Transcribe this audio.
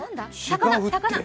魚？